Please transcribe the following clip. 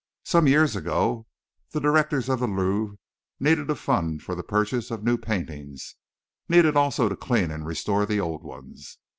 "Some years ago, the directors of the Louvre needed a fund for the purchase of new paintings; needed also to clean and restore the old ones.